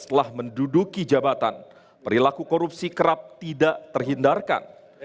setelah menduduki jabatan perilaku korupsi kerap tidak terhindarkan